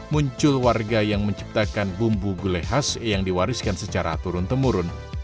muncul warga yang menciptakan bumbu gulai khas yang diwariskan secara turun temurun